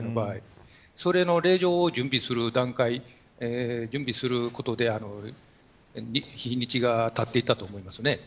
その令状を準備する段階それで日にちがたっていたと思います。